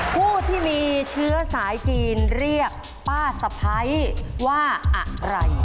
ผู้ที่มีเชื้อสายจีนเรียกป้าสะพ้ายว่าอะไร